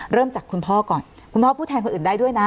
เริ่มจากคุณพ่อก่อนคุณพ่อพูดแทนคนอื่นได้ด้วยนะ